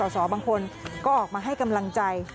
บางคนก็ออกมาให้กำลังใจ